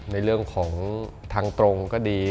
ในเรื่องของทางตรงก็ดี